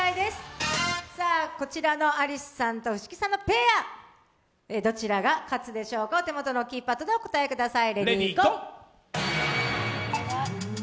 こちらのアリスさんと藤木さんのペア、どちらが勝つでしょうか、お手元のキーパッドでお答えください。